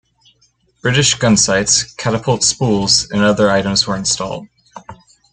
British gunsights, catapult spools and other items were installed.